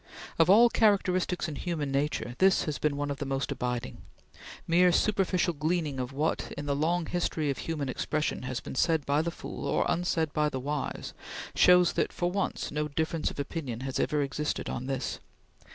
Of all characteristics in human nature, this has been one of the most abiding. Mere superficial gleaning of what, in the long history of human expression, has been said by the fool or unsaid by the wise, shows that, for once, no difference of opinion has ever existed on this.